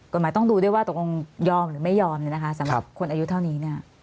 กฎหมายต้องดูด้วยว่าตกองยอมหรือไม่ยอมสำหรับคนอายุเท่านี้